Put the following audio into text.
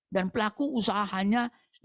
dan pelaku usahanya lima